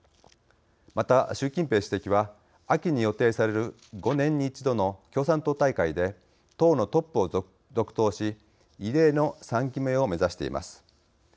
また習近平主席は秋に予定される５年に一度の共産党大会で党のトップを続投し異例の３期目を目指しています。